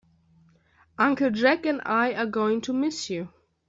Uncle Jack and I are going to miss you.